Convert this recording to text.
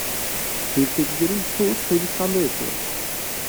Mültecilerin çoğu Sırbistan'da yaşıyor.